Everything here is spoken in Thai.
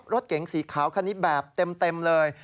รถเก๋งสีขาวคันนี้แบบเต็มเลย